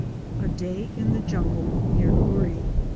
A DAY IN THE JUNGLE NEAR HOORIE.